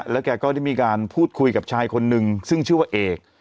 แล้วแกก็ได้มีการพูดคุยกับชายคนนึงซึ่งชื่อว่าเอก